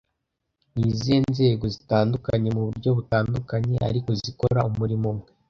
Ni izihe nzego zitandukanye mu buryo butandukanye ariko zikora umurimo umwe